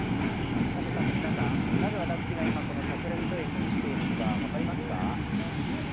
さて皆さん、なぜ私が今、この桜木町駅に来ているか分かりますか？